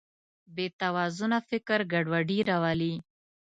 بېتوازنه فکر ګډوډي راولي.